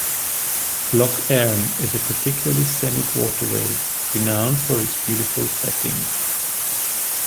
Lough Erne is a particularly scenic waterway, renowned for its beautiful setting.